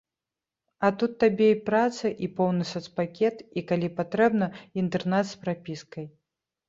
А тут табе і праца, і поўны сацпакет, і, калі патрэбна, інтэрнат з прапіскай!